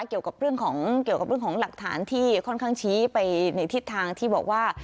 เกี่ยวกับเรื่องของเกี่ยวกับเรื่องของหลักฐานที่ค่อนข้างชี้ไปในทิศทางที่บอกว่า